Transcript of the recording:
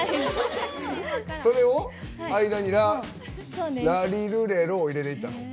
それを間に「らりるれろ」を入れていったの？